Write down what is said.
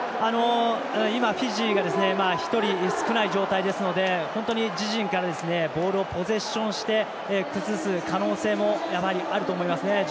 今、フィジーが１人、少ない状態ですので本当に自陣からボールをポゼッションして崩す可能性もあると思いますね。